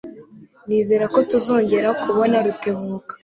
Nizere ko tuzongera kubona Rutebuka.